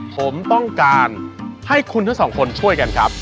ผมต้องการให้คุณทั้งสองคนช่วยกันครับ